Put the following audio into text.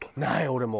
俺も。